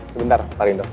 sebentar tariw indo